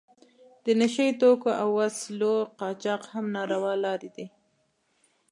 د نشه یي توکو او وسلو قاچاق هم ناروا لارې دي.